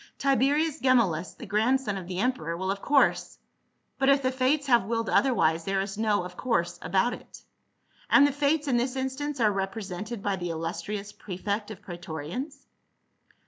" Tiberius Gemellus, the grandson of the emperor, will of course —"" But if the Fates have willed otherwise, there is no ' of course * about it." "And the Fates in this instance are represented by the illustrious prefect of praetorians